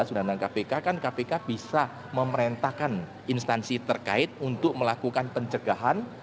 undang undang kpk kan kpk bisa memerintahkan instansi terkait untuk melakukan pencegahan